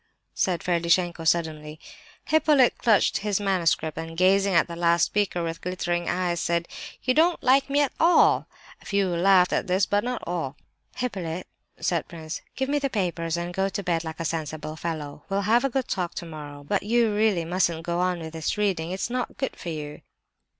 said Ferdishenko suddenly. Hippolyte clutched his manuscript, and gazing at the last speaker with glittering eyes, said: "You don't like me at all!" A few laughed at this, but not all. "Hippolyte," said the prince, "give me the papers, and go to bed like a sensible fellow. We'll have a good talk tomorrow, but you really mustn't go on with this reading; it is not good for you!"